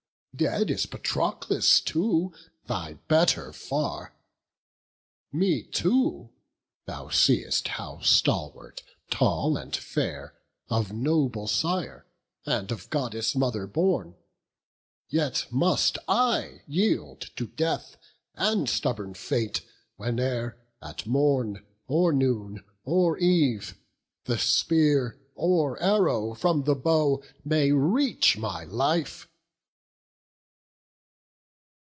Dead is Patroclus too, thy better far. Me too thou see'st, how stalwart, tall, and fair, Of noble sire, and Goddess mother born: Yet must I yield to death and stubborn fate, Whene'er, at morn, or noon, or eve, the spear Or arrow from the bow may reach my life."